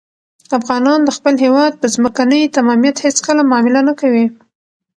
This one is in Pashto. افغانان د خپل هېواد په ځمکنۍ تمامیت هېڅکله معامله نه کوي.